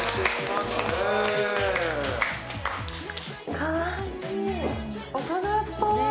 かわいい、大人っぽい。